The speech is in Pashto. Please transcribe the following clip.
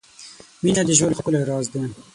• مینه د ژوند ښکلی راز دی.